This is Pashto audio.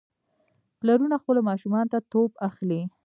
پلارونه خپلو ماشومانو ته توپ اخلي.